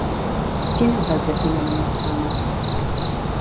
Quin és el jaciment amb més fama?